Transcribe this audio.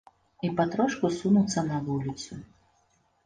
І патрошку сунуцца на вуліцу.